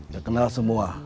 gak kenal semua